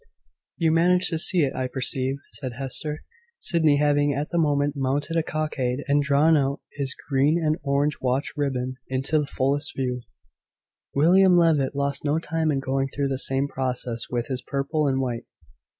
"You managed to see it, I perceive," said Hester; Sydney having at the moment mounted a cockade, and drawn out his green and orange watch ribbon into the fullest view. William Levitt lost no time in going through the same process with his purple and white.